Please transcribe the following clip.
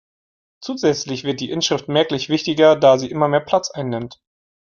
Zusätzlich wird die Inschrift merklich wichtiger, da sie immer mehr Platz einnimmt.